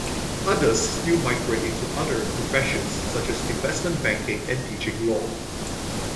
Others still migrate into other professions such as investment banking and teaching law.